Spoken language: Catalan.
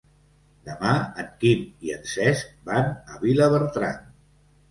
Demà en Quim i en Cesc van a Vilabertran.